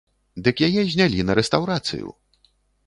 Дык яе знялі на рэстаўрацыю!